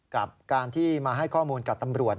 กับการที่มาให้ข้อมูลกับตำรวจ